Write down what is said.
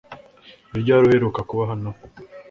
Ni ryari uheruka kuba hano